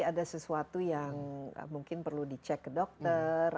ada sesuatu yang mungkin perlu dicek ke dokter